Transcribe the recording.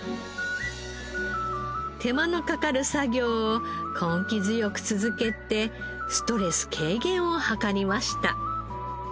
手間のかかる作業を根気強く続けてストレス軽減を図りました。